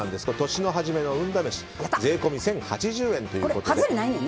年の初めの運試し税込み１０８０円ということで。